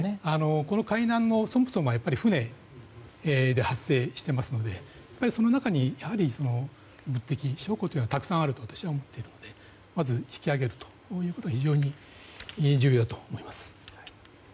海難はそもそも船で発生していますのでその中に物的証拠はたくさんあると私は思っているのでまず引き揚げることが非常に重要だと思います。